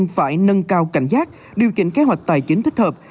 phải nâng cao cảnh giác điều chỉnh kế hoạch tài chính thích hợp